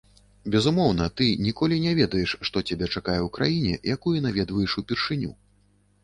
Безумоўна, ты ніколі не ведаеш, што цябе чакае ў краіне, якую наведваеш упершыню.